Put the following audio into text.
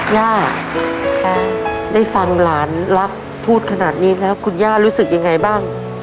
ย่าได้ฟังหลานรักพูดขนาดนี้แล้วคุณย่ารู้สึกยังไงบ้าง